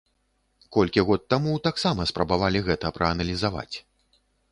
Колькі год таму таксама спрабавалі гэта прааналізаваць.